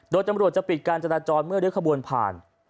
โดยตำรวจจะปิดการจราจรเมื่อริ้วขบวนผ่าน